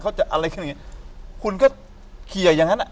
คุณก็เคลียร์อย่างนั้น